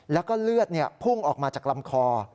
แล้วก็เลือดพุ่งออกมาจากลำคอ